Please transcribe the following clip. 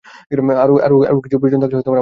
আরও কিছুর প্রয়োজন থাকলে আমাকে জানাবেন।